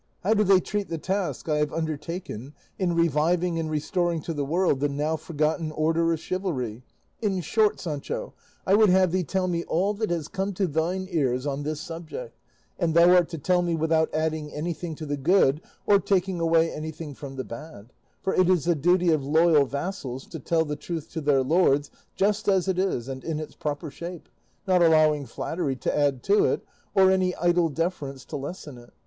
How do they treat the task I have undertaken in reviving and restoring to the world the now forgotten order of chivalry? In short, Sancho, I would have thee tell me all that has come to thine ears on this subject; and thou art to tell me, without adding anything to the good or taking away anything from the bad; for it is the duty of loyal vassals to tell the truth to their lords just as it is and in its proper shape, not allowing flattery to add to it or any idle deference to lessen it.